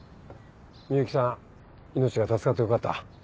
美雪さん命が助かってよかった。